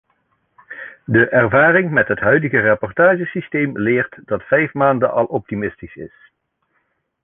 De ervaring met het huidige rapportagesysteem leert dat vijf maanden al optimistisch is.